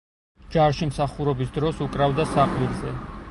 ჯარში მსახურობის დროს უკრავდა საყვირზე.